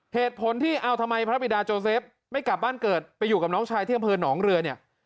เหตุผลที่เอาทำไมพระบิดาโจเซฟไม่กลับบ้านเกิดไปอยู่กับน้องชายที่อำเภอหนองเรือเนี่ย